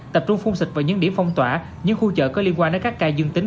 tập trung phun xịt vào những điểm phong tỏa những khu chợ có liên quan đến các ca dương tính